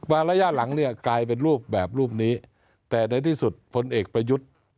ระยะหลังเนี่ยกลายเป็นรูปแบบรูปนี้แต่ในที่สุดพลเอกประยุทธ์